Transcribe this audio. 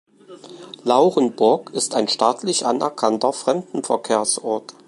Laurenburg ist ein staatlich anerkannter Fremdenverkehrsort.